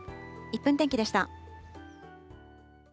１分天気でした。